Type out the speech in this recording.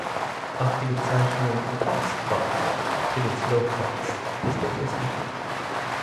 Auch die Bezeichnung "Foxtrott" für den Slowfox ist durchaus üblich.